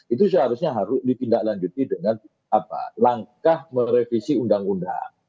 itu seharusnya harus ditindaklanjuti dengan langkah merevisi undang undang